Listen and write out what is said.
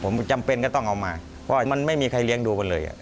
ผมจำเป็นก็ต้องเอามาเพราะมันไม่มีใครเลี้ยงดูกันเลย